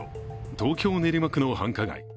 東京・練馬区の繁華街。